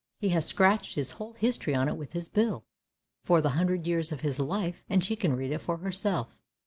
He has scratched his whole history on it with his bill, for the hundred years of his life, and she can read it for herself.